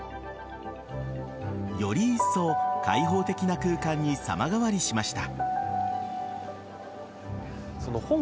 よりいっそう開放的な空間に様変わりしました。